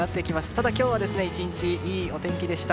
ただ今日は１日いいお天気でした。